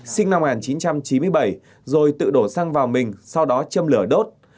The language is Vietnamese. sinh năm một nghìn chín trăm chín mươi bảy rồi tự đổ xăng vào mình sau đó châm lửa đốt